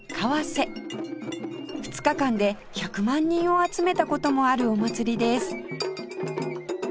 ２日間で１００万人を集めた事もあるお祭りです